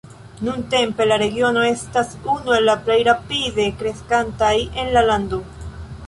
Nuntempe, la regiono estas unu el la plej rapide kreskantaj en la lando.